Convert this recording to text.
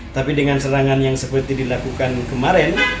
tapi dengan serangan yang seperti dilakukan kemarin